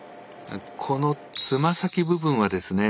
このつま先部分はですね